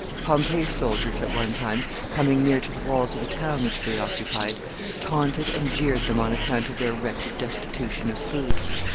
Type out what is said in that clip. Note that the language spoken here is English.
Pompey's soldiers, at one time, coming near to the walls of a town which they occupied, taunted and jeered them on account of their wretched destitution of food.